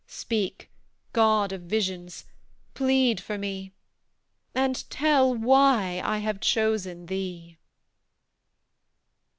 Speak, God of visions, plead for me, And tell why I have chosen thee!